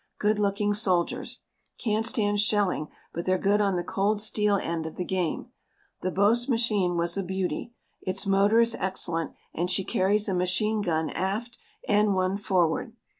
Good looking soldiers. Can't stand shelling but they're good on the cold steel end of the game. The Boche machine was a beauty. Its motor is excellent and she carries a machine gun aft and one forward.